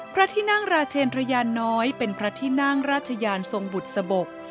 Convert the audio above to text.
พระทินางราเชนทรยานน้อยเป็นพระทินางราชญานทรงบุษบก